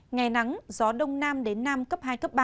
ngày nắng gió đông nam đến nam cấp hai cấp ba